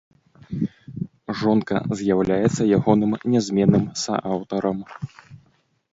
Жонка з'яўляецца ягоным нязменным сааўтарам.